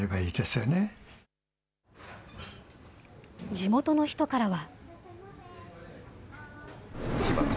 地元の人からは。